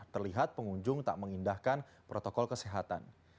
terlihat pengunjung tak mengindahkan protokol kesehatan